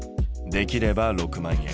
できれば６万円。